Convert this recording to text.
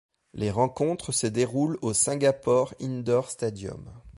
Les rencontres se déroulent au Singapore Indoor Stadium.